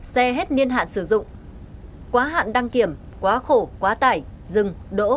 xe hết niên hạn sử dụng quá hạn đăng kiểm quá khổ quá tải dừng đỗ